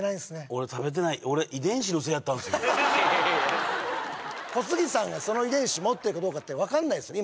俺食べてない小杉さんがその遺伝子持ってるかどうかって分かんないですよね